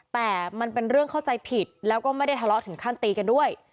แต่มันเป็นเรื่องเข้าใจผิดแล้วก็ไม่ได้ทะเลาะถึงขั้นตีกันด้วย